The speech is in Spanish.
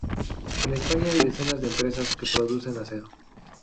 En España hay decenas de empresas que producen acero.